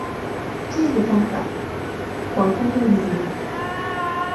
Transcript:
这个方法广泛用于甾类化学中。